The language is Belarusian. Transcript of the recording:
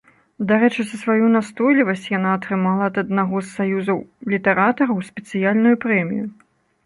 Дарэчы, за сваю настойлівасць яна атрымала ад аднаго з саюзаў літаратараў спецыяльную прэмію.